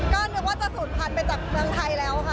ก็นึกว่าจะสูดผัดไปจากแม่งไทยแล้วค่ะ